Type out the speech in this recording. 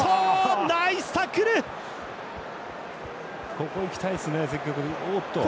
ここいきたいですね。